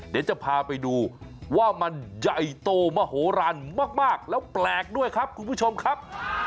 เดี๋ยวจะพาไปดูว่ามันใหญ่โตมโหลานมากแล้วแปลกด้วยครับคุณผู้ชมครับ